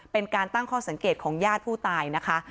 เป็นการตั้งข้อสังเกตของญาติผู้ตายนะคะ